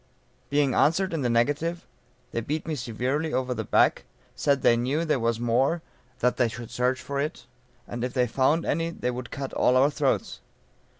Being answered in the negative, they beat me severely over the back, said they knew that there was more, that they should search for it, and if they found any they would cut all our throats.